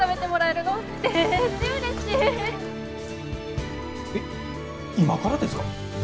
えっ今からですか？